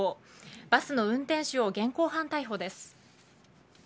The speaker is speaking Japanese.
バスの運転手を現行犯逮捕です。